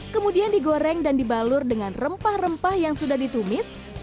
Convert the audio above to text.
kemudian digoreng dan dibalur dengan rempah rempah yang sudah ditumis